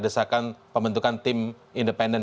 desakan pembentukan tim independen